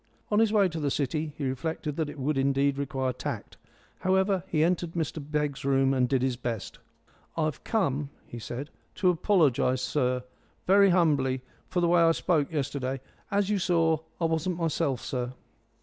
On his way to the City he reflected that it would indeed require tact. However, he entered Mr Begg's room and did his best. "I've come," he said, "to apologise, sir, very humbly for the way I spoke yesterday. As you saw, I wasn't myself, sir."